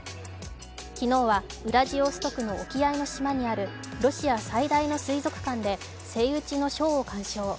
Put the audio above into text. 昨日はウラジオストクの沖合の島にあるロシア最大の水族館でセイウチのショーなどを鑑賞。